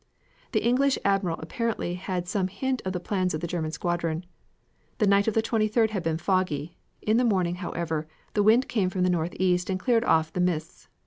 The English Admiral apparently had some hint of the plans of the German squadron. The night of the 23d had been foggy; in the morning, however, the wind came from the northeast and cleared off the mists.